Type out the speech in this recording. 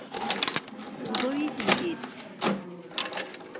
Bḍu-yi-tent-id.